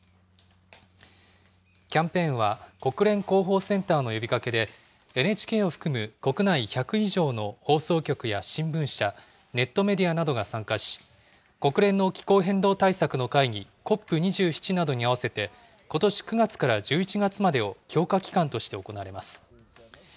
キャンペーンは国連広報センターの呼びかけで、ＮＨＫを含む国内１００以上の放送局や新聞社、ネットメディアなどが参加し、国連の気候変動対策の会議、ＣＯＰ２７などに合わせて、ことし９月から１１月までを強化期間として行われます。